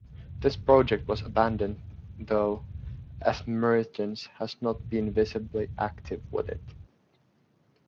This project was abandoned, though, as Mertens has not been visibly active with it.